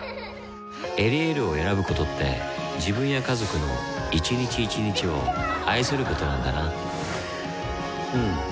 「エリエール」を選ぶことって自分や家族の一日一日を愛することなんだなうん。